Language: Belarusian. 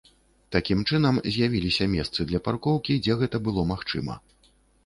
Такім чынам з'явіліся месцы для паркоўкі, дзе гэта было магчыма.